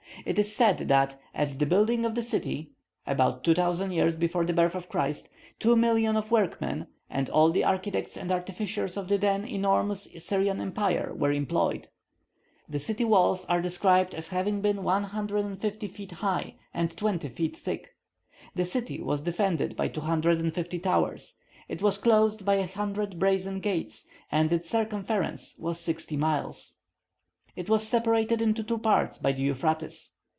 It is said that, at the building of the city (about 2,000 years before the birth of Christ), two million of workmen, and all the architects and artificers of the then enormous Syrian empire, were employed. The city walls are described as having been 150 feet high, and twenty feet thick. The city was defended by 250 towers; it was closed by a hundred brazen gates, and its circumference was sixty miles. It was separated into two parts by the Euphrates.